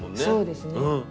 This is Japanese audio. そうですね。